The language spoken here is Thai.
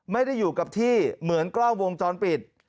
ไม่ได้อยู่กับที่เหมือนกล้องวงจรปิด